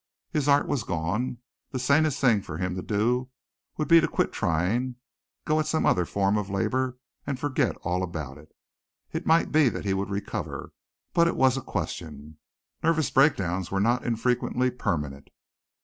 His art was gone. The sanest thing for him to do would be to quit trying, go at some other form of labor and forget all about it. It might be that he would recover, but it was a question. Nervous breakdowns were not infrequently permanent.